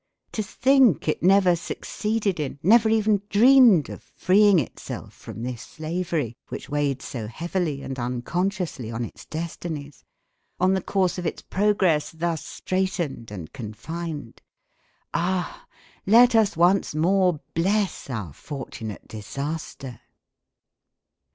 To think it never succeeded in, never even dreamed of, freeing itself from this slavery which weighed so heavily and unconsciously on its destinies, on the course of its progress thus straitened and confined! Ah! Let us once more bless our fortunate disaster!